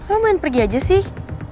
lo main pergi aja sih